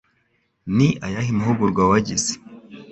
Ni ayahe mahugurwa wagize?